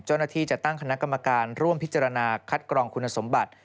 เจ้าหน้าที่จะตั้งคณะกรรมการร่วมพิจารณาคัดกรองคุณสมบัติ